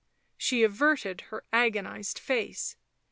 She averted her agonised face.